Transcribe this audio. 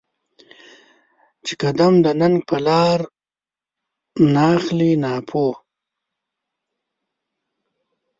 چې قـــــدم د ننــــــــګ په لار ناخلې ناپوهه